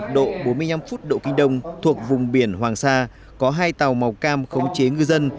một trăm một mươi một độ bốn mươi năm phút độ kinh đông thuộc vùng biển hoàng sa có hai tàu màu cam khống chế ngư dân